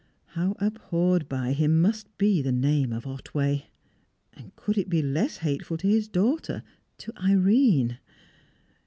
How abhorred by him must be the name of Otway! And could it be less hateful to his daughter, to Irene?